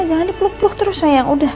jangan dipeluk peluk terus sayang